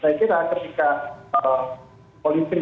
karena selama ini narasi yang paling munas